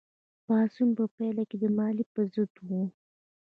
پاڅون په پیل کې د مالیې په ضد و.